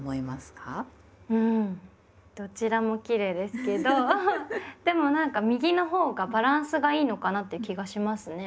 んどちらもきれいですけどでもなんか右のほうがバランスがいいのかなって気がしますね。